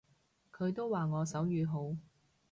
佢都話我手語好